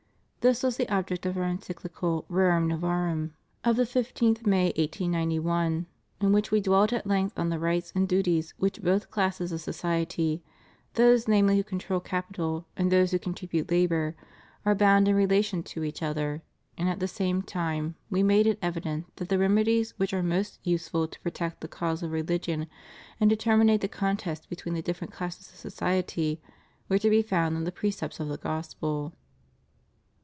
This was the object of Our Encyclical Rerum Novarum of the 15th May, 1891, in which We dwelt at length on the rights and duties which both classes of society — those namely, who control capital, and those who contribute labor — are bound in relation to each other; and at the same time. We made it evident that the remedies which are most useful to protect the cause of religion, and to terminate the contest between the different classes of society, were to be found in the pre cepts of the Gospel.